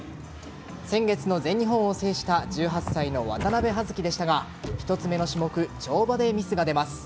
先月の全日本を制した１８歳の渡部葉月でしたが一つ目の種目跳馬でミスが出ます。